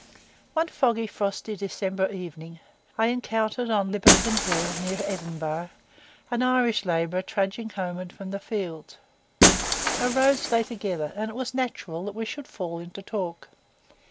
One foggy, frosty December evening, I encountered on Liberton Hill, near Edinburgh, an Irish labourer trudging homeward from the fields. Our roads lay together, and it was natural that we should fall into talk.